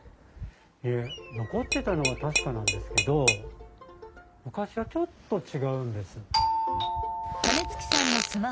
いえ残ってたのは確かなんですけど昔はちょっと違うんです。